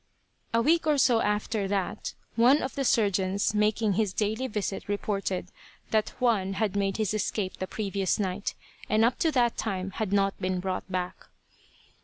A week or so after that, one of the surgeons making his daily visit reported that Juan had made his escape the previous night, and up to that time had not been brought back.